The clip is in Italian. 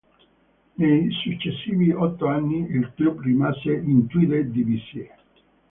Nei successivi otto anni il club rimase in Tweede Divisie.